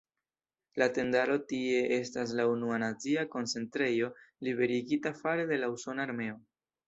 La tendaro tie estis la unua nazia koncentrejo liberigita fare de la usona armeo.